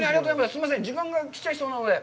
すいません、時間が来ちゃいそうなので。